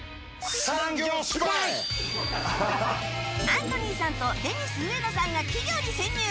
アントニーさんとデニス植野さんが企業に潜入